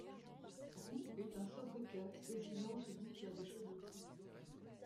Roux est un sobriquet désignant celui qui a les cheveux roux.